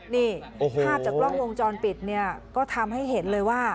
นี่ภาพจากกล้องวงจรปิดเนี่ยก็ทำให้เห็นเลยว่า